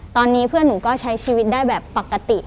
ตอนนี้เพื่อนหนูก็ใช้ชีวิตได้แบบปกติ